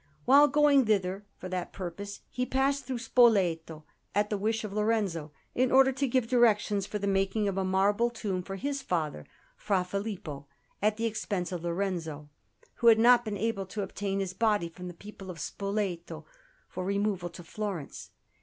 While going thither for that purpose, he passed through Spoleto at the wish of Lorenzo, in order to give directions for the making of a marble tomb for his father Fra Filippo at the expense of Lorenzo, who had not been able to obtain his body from the people of Spoleto for removal to Florence.